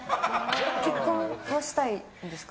結婚はしたいんですか。